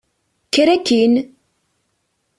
Kker akin!